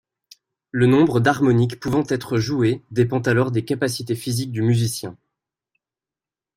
Le nombre d’harmoniques pouvant être joués dépend alors des capacités physiques du musicien.